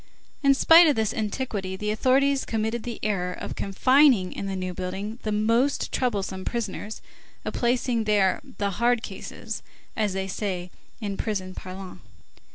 In spite of this antiquity, the authorities committed the error of confining in the New Building the most troublesome prisoners, of placing there "the hard cases," as they say in prison parlance.